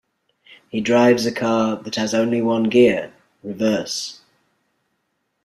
He drives a car that has only one gear, reverse.